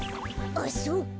あっそうか。